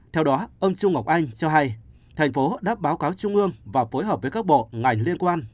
theo đó ông trung ngọc anh cho hay thành phố đã báo cáo trung ương và phối hợp với các bộ ngành liên quan